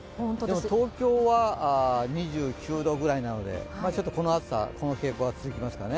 東京は２９度ぐらいなので、この暑さ、この傾向が続きそうですね。